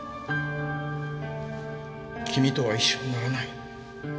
君とは一緒にならない。